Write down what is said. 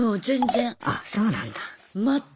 あそうなんだ。